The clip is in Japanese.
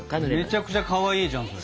めちゃくちゃかわいいじゃんそれ。